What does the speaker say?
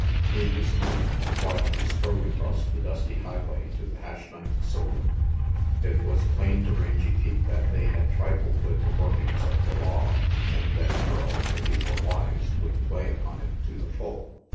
In this moment, while he strode across the dusty highway to the Hash Knife saloon, it was plain to 217 218 RANGY PETE Rangy Pete that they had trifled with the workings of the law, and that Merrill, if he were wise, would play upon it to the full.